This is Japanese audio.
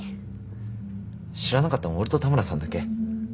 知らなかったの俺と田村さんだけ？